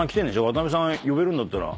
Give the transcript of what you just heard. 渡辺さん呼べるんだったら。